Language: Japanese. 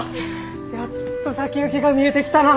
やっと先行きが見えてきたな。